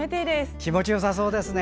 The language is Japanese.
気持ちよさそうですね。